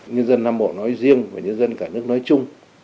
nhân dân nam bộ nói riêng và nhân dân cả nước nói chung